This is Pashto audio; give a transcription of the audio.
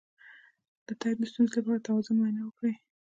د تګ د ستونزې لپاره د توازن معاینه وکړئ